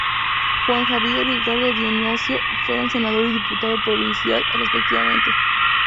Juan Javier y Edgardo Dionisio, fueron Senador y Diputado Provincial, respectivamente.